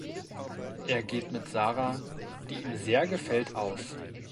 Er geht mit Sara, die ihm sehr gefällt, aus.